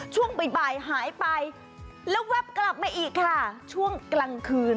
ช่วงบ่ายหายไปแล้วแวบกลับมาอีกค่ะช่วงกลางคืน